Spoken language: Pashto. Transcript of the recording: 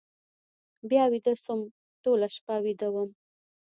بیا ویده شوم، ټوله شپه ویده وم.